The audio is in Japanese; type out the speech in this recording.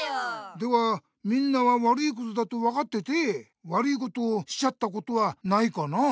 ではみんなは悪いことだとわかってて悪いことをしちゃったことはないかな？